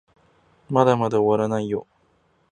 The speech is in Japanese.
まだまだ終わらないよ